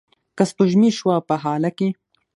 که سپوږمۍ شوه په هاله کې